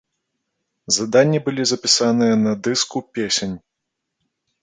Заданні былі запісаныя на дыску песень.